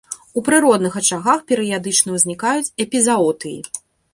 У прыродных ачагах перыядычна ўзнікаюць эпізаотыі.